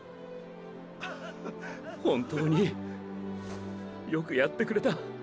本当によくやってくれた。